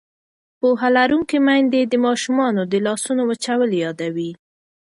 پوهه لرونکې میندې د ماشومانو د لاسونو وچول یادوي.